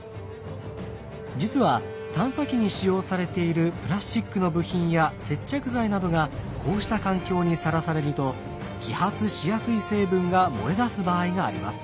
実は探査機に使用されているプラスチックの部品や接着剤などがこうした環境にさらされると揮発しやすい成分が漏れ出す場合があります。